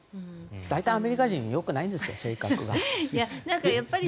大体アメリカ人はよくないんですよ